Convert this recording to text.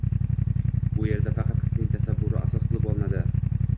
Bu yerda faqat qizning tasavvuri asos qilib olinadi.